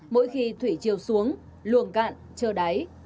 mỗi khi thủy chiều xuống luồng cạn trơ đáy